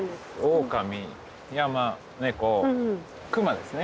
オオカミ山猫熊ですね。